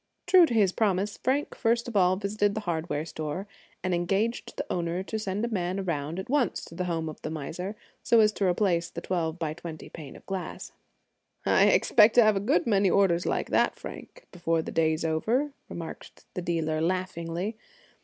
True to his promise, Frank first of all visited the hardware store, and engaged the owner to send a man around at once to the home of the miser, so as to replace a twelve by twenty pane of glass. "I expect to have a good many orders like that, Frank, before the day is over," remarked the dealer, laughingly.